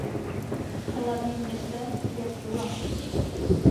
Hlavním městem je Tula.